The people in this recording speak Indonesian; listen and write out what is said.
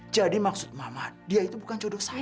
jadi maksud mama dia itu bukan jodoh saya